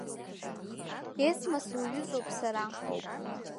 Есма сылҩызоуп сара.